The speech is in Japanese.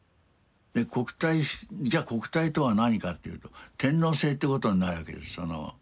国体じゃあ国体とは何かっていうと天皇制ってことになるわけです。